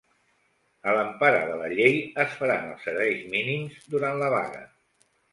A l'empara de la llei, es faran els serveis mínims durant la vaga.